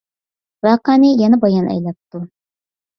ۋەقەنى يەنە بايان ئەيلەپتۇ.